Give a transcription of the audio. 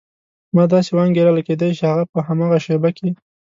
ما داسې وانګېرله کېدای شي هغه په هماغه شېبه کې.